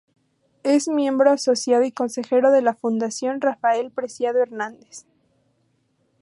Es miembro asociado y Consejero de la Fundación Rafael Preciado Hernández.